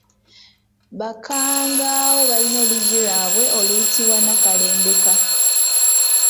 Bakkangaawo balina oluzzi lwabwe oluyitibwa Nakalembeka.